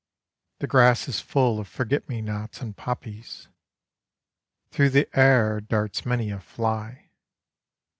The grass is full of forget me nots and poppies: Through the air darts many a fly.